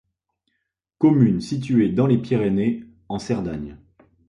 Commune située dans les Pyrénées, en Cerdagne.